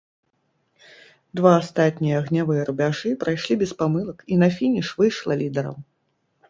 Два астатнія агнявыя рубяжы прайшлі без памылак і на фініш выйшла лідарам.